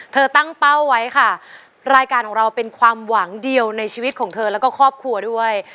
ตั้งเป้าไว้ค่ะรายการของเราเป็นความหวังเดียวในชีวิตของเธอแล้วก็ครอบครัวด้วย